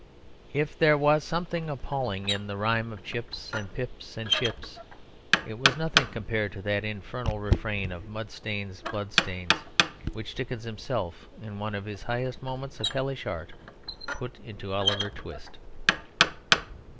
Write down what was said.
If there was something appalling in the rhyme of Chips and pips and ships, it was nothing compared to that infernal refrain of "Mudstains, bloodstains" which Dickens himself, in one of his highest moments of hellish art, put into Oliver Twist.